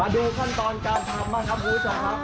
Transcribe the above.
ดูขั้นตอนการทำบ้างครับคุณผู้ชมครับ